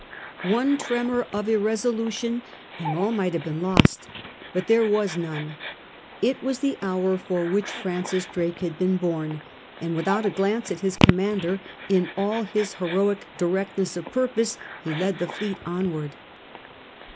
One tremor of irresolution and all might have been lost. But there was none. It was the hour for which Francis Drake had been bom, and without a glance at his commander, in all his heroic directness of purpose he led the fleet onward.